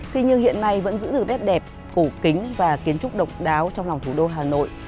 thế nhưng hiện nay vẫn giữ được nét đẹp cổ kính và kiến trúc độc đáo trong lòng thủ đô hà nội